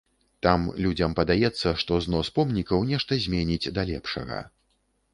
Там людзям падаецца, што знос помнікаў нешта зменіць да лепшага.